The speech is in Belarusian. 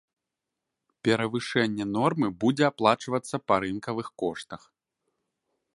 Перавышэнне нормы будзе аплачвацца па рынкавых коштах.